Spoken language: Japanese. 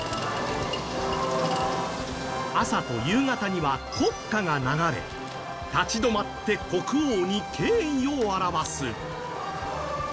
朝と夕方には国歌が流れ立ち止まって国王に敬意を表す。